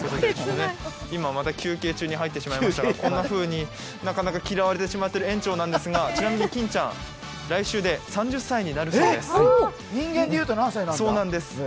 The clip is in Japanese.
今、また休憩中に入ってしまいましたが、こんなふうになかなか嫌われてしまっている園長なんですがちなみにキンちゃん、来週で３０歳になるそうなんです。